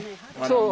そう。